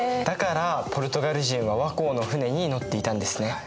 だからポルトガル人は倭寇の船に乗っていたんですね。